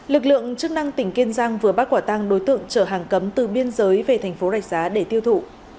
lực lượng chức năng tỉnh kiên giang vừa bắt quả tăng đối tượng chở hàng cấm từ biên giới về thành phố rạch giá để tiêu thụ